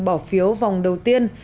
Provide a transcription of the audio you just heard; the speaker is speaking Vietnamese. bỏ phiếu vòng đầu tiên